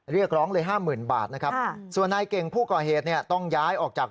เรียกร้องเลยห้าหมื่นบาทนะครับส่วนนายเก่งผู้ก่อเหตุเนี่ยต้องย้ายออกจาก